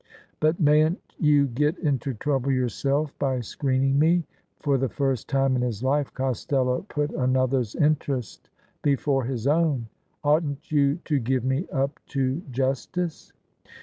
" But mayn't you get into trouble yourself by screening me?" For the first time in his life Costello put another's interest before his own. " Oughtn't you to give me up to justice?"